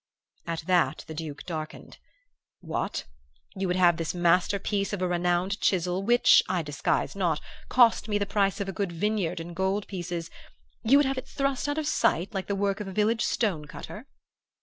"At that the Duke darkened. 'What! You would have this masterpiece of a renowned chisel, which, I disguise not, cost me the price of a good vineyard in gold pieces, you would have it thrust out of sight like the work of a village stonecutter?